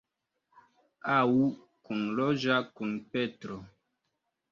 Aŭ kunloĝa kun Petro.